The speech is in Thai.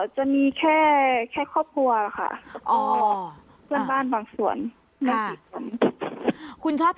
อ๋อจะมีแค่แค่ครอบครัวค่ะอ๋อบ้านบางส่วนค่ะคุณช่อเพชร